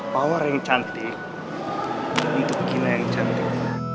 power yang cantik jadi tukina yang cantik